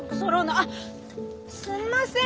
あっすんません